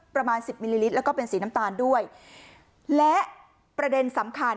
ประมาณสิบมิลลิลิตรแล้วก็เป็นสีน้ำตาลด้วยและประเด็นสำคัญ